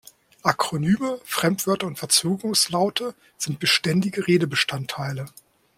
Akronyme, Fremdwörter und Verzögerungslaute sind beständige Redebestandteile.